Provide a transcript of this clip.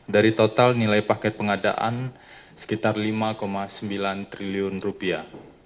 dari total nilai paket pengadaan sekitar lima sembilan triliun rupiah